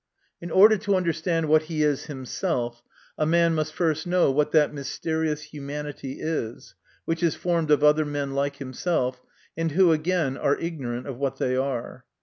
" In order to understand what he is himself, a man must first know what that mysterious humanity is, which is formed of other men like himself, and who again are ignorant of what they are.